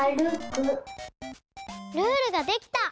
ルールができた！